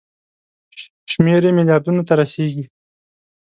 شمېر یې ملیاردونو ته رسیږي.